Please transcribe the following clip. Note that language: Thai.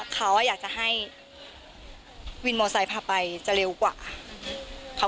ขอขอขอขอขอขอ